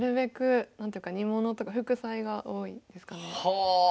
はあ！